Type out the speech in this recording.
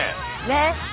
ねっ。